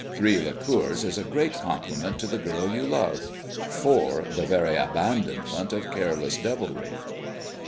Three liqueurs is a great compliment to the girl you love; four the very abandonment of careless devilry.